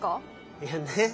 いやね。